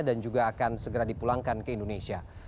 juga akan segera dipulangkan ke indonesia